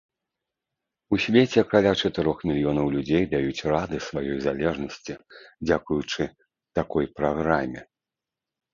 У свеце каля чатырох мільёнаў людзей даюць рады сваёй залежнасці дзякуючы такой праграме.